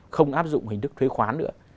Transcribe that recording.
không áp dụng hình thức thuế khoán nữa